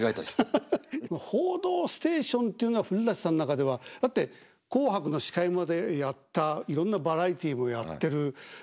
でも「報道ステーション」っていうのは古さんの中では。だって「紅白」の司会までやったいろんなバラエティーもやってる。